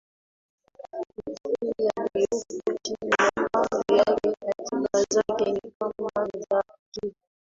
petroli yaliyopo chini ya ardhi yake Akiba zake ni kama za akiba